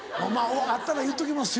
会ったら言っときますよ。